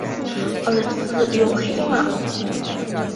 儿子刘黑马。